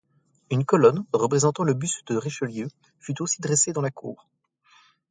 Une colonne, représentant le buste de Richelieu, fut aussi dressée dans la cour.